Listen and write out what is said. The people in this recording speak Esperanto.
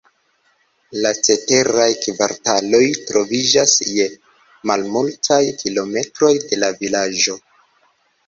La ceteraj kvartaloj troviĝas je malmultaj kilometroj de la vilaĝo.